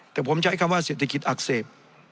แต่ผมใช้คำว่าเศรษฐกิจอักเสบ